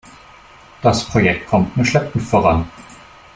Das Projekt kommt nur schleppend voran.